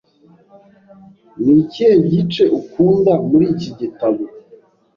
Ni ikihe gice ukunda muri iki gitabo?